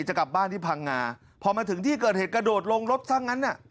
จะกลับบ้านที่พังงาพอมาถึงที่เกิดเหตุกระโดดลงรถซะงั้น